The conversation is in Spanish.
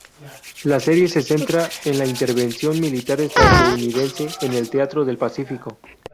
La serie se centra en la intervención militar estadounidense en el Teatro del Pacífico.